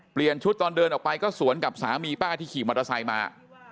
เปลี่ยนชุดตอนเดินออกไปก็สวนกับสามีป้าที่ขี่มอเตอร์ไซค์มา